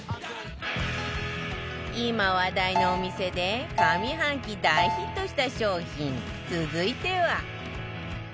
今話題のお店で上半期大ヒットした商品続いては